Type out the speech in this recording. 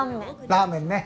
ラーメンね。